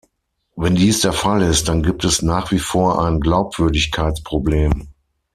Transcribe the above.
Wenn dies der Fall ist, dann gibt es nach wie vor ein Glaubwürdigkeitsproblem.